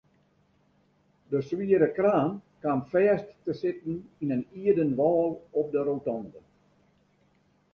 De swiere kraan kaam fêst te sitten yn in ierden wâl op de rotonde.